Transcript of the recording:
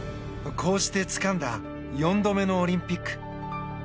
こうしてつかんだ４度目のオリンピック。